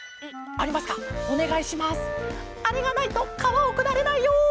「あれがないとかわをくだれないよ」。